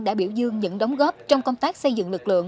đã biểu dương những đóng góp trong công tác xây dựng lực lượng